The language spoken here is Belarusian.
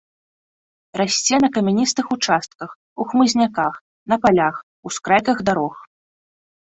Расце на камяністых участках, у хмызняках, на палях, ускрайках дарог.